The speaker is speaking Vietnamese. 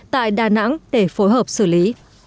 tại đà nẵng để phối hợp xử lý